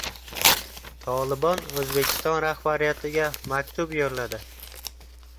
“Tolibon” O‘zbekiston rahbariyatiga maktub yo‘lladi